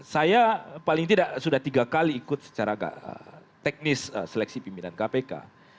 saya paling tidak sudah tiga kali ikut secara teknis seleksi pimpinan kpk